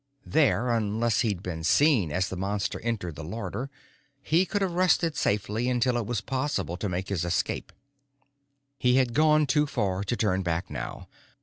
There, unless he'd been seen as the Monster entered the larder, he could have rested safely until it was possible to make his escape. He had gone too far to turn back now.